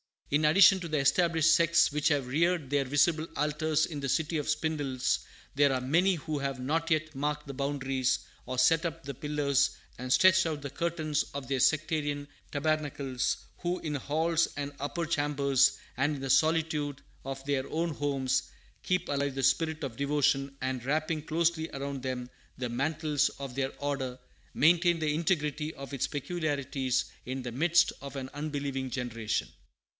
In addition to the established sects which have reared their visible altars in the City of Spindles, there are many who have not yet marked the boundaries or set up the pillars and stretched out the curtains of their sectarian tabernacles; who, in halls and "upper chambers" and in the solitude of their own homes, keep alive the spirit of devotion, and, wrapping closely around them the mantles of their order, maintain the integrity of its peculiarities in the midst of an unbelieving generation.